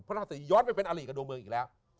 เพราะถ้าจะย้อนไปเป็นอริกระดวงเมืองอีกแล้ว